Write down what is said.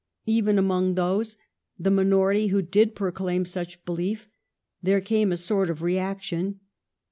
Even among those, the minority, who did proclaim such belief, there came a sort of reaction.